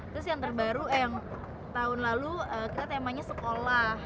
terus yang terbaru eh yang tahun lalu kita temanya sekolah